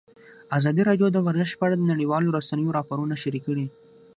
ازادي راډیو د ورزش په اړه د نړیوالو رسنیو راپورونه شریک کړي.